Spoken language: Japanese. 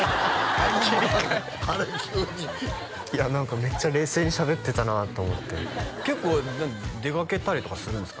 あのあれ急にいや何かめっちゃ冷静にしゃべってたなと思って結構出かけたりとかするんですか？